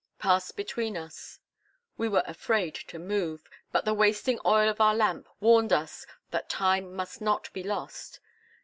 passed between us. We were afraid to move; but the wasting oil of our lamp warned us that time must not be lost.